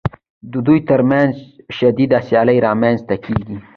د دوی ترمنځ شدیده سیالي رامنځته کېږي